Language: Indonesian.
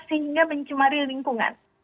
sehingga mencemari lingkungan